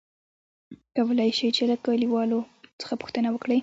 کولاى شې ،چې له کليوالو څخه پوښتنه وکړې ؟